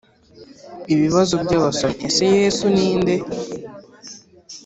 Ibibazo by abasomyi Ese Yesu ni nde